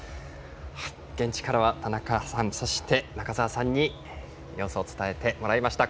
現地からは田中さん中澤さんに様子を伝えてもらいました。